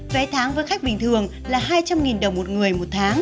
vé tháng với khách bình thường là hai trăm linh đồng một người một tháng